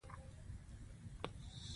ویل کېږی حماس به پاتې يرغمل خوشي کړي.